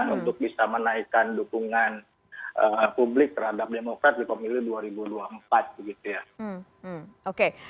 untuk bisa menaikkan dukungan publik terhadap demokrat di pemilih dua ribu dua puluh empat